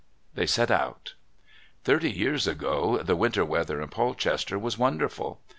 They set out... Thirty years ago the winter weather in Polchester was wonderful.